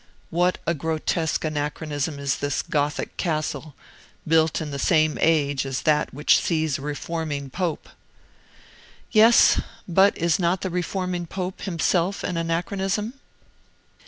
What a grotesque anachronism is this Gothic castle, built in the same age as that which sees a reforming pope!" "Yes; but is not the reforming pope himself an anachronism?"